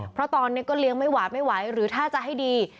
เพราะตอนนี้ก็เลี้ยงไม่หวาดไม่ไหวหรือถ้าจะให้ดี